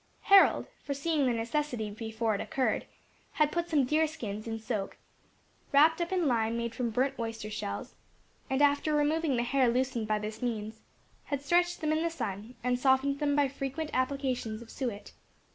Harold, foreseeing the necessity before it occurred, had put some deer skins in soak, wrapped up in lime made from burnt oyster shells; and after removing the hair loosened by this means, had stretched them in the sun, and softened them by frequent applications of suet.